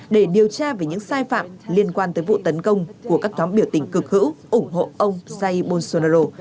để điều tra về những sai phạm liên quan tới vụ tấn công của các nhóm biểu tình cực hữu ủng hộ ông say bolsonaro